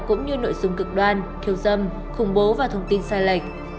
cũng như nội dung cực đoan khiêu dâm khủng bố và thông tin sai lệch